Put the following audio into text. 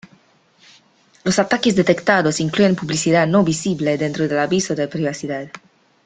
Los ataques detectados incluyen publicidad no visible dentro del aviso de privacidad.